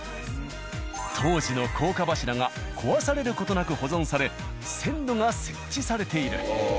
当時の高架柱が壊される事なく保存され線路が設置されている。